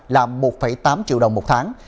là một tám triệu đồng một tháng